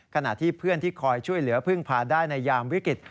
ขณะที่เพื่อนที่คอยช่วยเหลือพึ่งพาได้ในยามวิกฤต